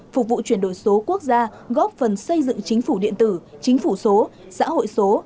phục vụ chuyển đổi số quốc gia góp phần xây dựng chính phủ điện tử chính phủ số xã hội số